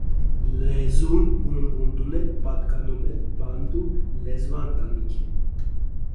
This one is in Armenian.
Լեզուն ումբունդուն էր, պատկանում էր բանտու լեզվաընտանիքին։